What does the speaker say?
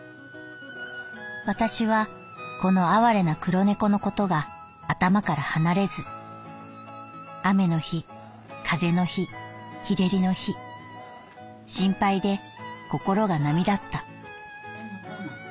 「私はこの哀れな黒猫のことが頭から離れず雨の日風の日日照りの日心配で心が波立った」。